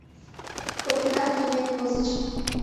Коктынат йымен возыч.